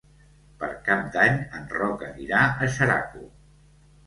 Per Cap d'Any en Roc anirà a Xeraco.